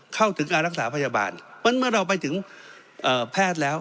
เข้าถึงการรักษาพยาบาลเพราะฉะนั้นเมื่อเราไปถึงแพทย์แล้ว